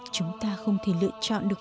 chúng ta không thể lựa chọn được